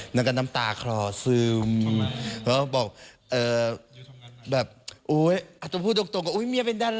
แต่น้ำตาคลอซึม